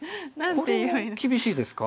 これも厳しいですか？